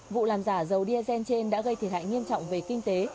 vụ làm giả dầu diesel trên đã gây thiệt hại nghiêm trọng về kinh tế